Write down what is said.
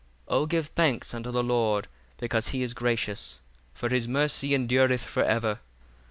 67 O give thanks unto the Lord, because he is gracious: for his mercy endureth for ever.